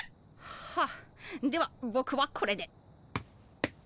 はあではぼくはこれで。